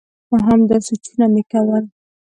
همدا سوچونه مي کول ؟